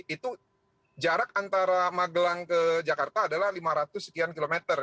itu jarak antara magelang ke jakarta adalah lima ratus sekian kilometer